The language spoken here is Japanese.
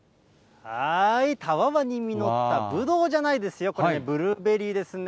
たわわに実ったブドウじゃないですよ、これね、ブルーベリーですね。